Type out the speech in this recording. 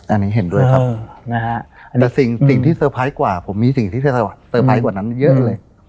อันนี้เห็นด้วยครับนะฮะแต่สิ่งที่เตอร์ไพรส์กว่าผมมีสิ่งที่เธอเตอร์ไพรส์กว่านั้นเยอะเลย